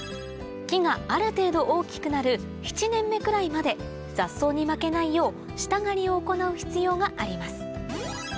木がある程度大きくなる７年目くらいまで雑草に負けないよう下刈りを行う必要があります